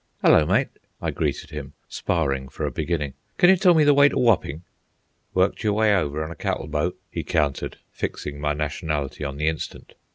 "Hello, mate," I greeted him, sparring for a beginning. "Can you tell me the way to Wapping?" "Worked yer way over on a cattle boat?" he countered, fixing my nationality on the instant.